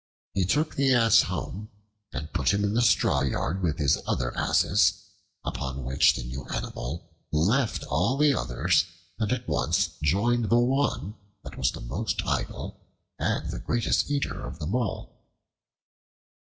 He took the Ass home and put him in the straw yard with his other Asses, upon which the new animal left all the others and at once joined the one that was most idle and the greatest eater of them all.